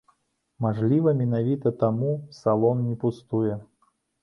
Мажліва, менавіта таму салон не пустуе.